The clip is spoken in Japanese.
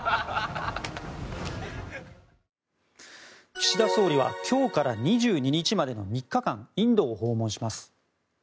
岸田総理は今日から２２日までの３日間インドを訪問します。